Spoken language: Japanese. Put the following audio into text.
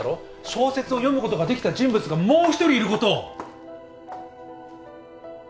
小説を読むことができた人物がもう一人いることを。